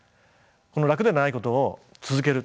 この楽でないことを続ける。